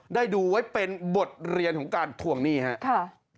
ได้ดูไว้เป็นบทเรียนของการทวงหนี้ครับ